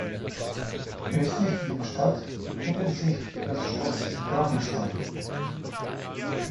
Östlich der Stadt befindet sich das Schloss Grafenstein.